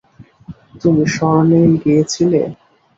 তুমি সরনেইল গিয়েছিলে?